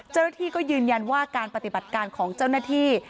เจ้าหน้าที่ก็ยืนยันว่าการปฏิบัติการของเจ้าหน้าที่